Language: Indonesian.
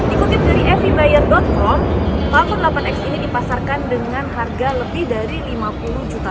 ikuti dari evi buyer com falcon delapan x ini dipasarkan dengan harga lebih dari lima puluh juta